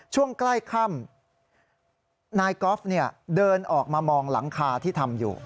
ช่วงใกล้ค่ำนายกอล์ฟเดินออกมามองหลังคาที่ทำอยู่